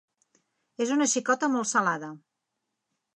És una xicota molt salada.